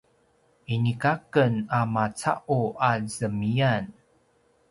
inika aken a maca’u a zemiyan